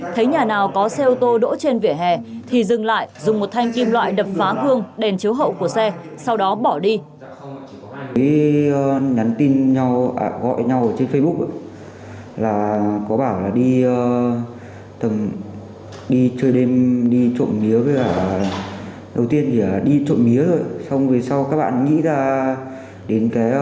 thấy nhà nào có xe ô tô đỗ trên vỉa hè thì dừng lại dùng một thanh kim loại đập phá gương đèn chấu hậu của xe sau đó bỏ đi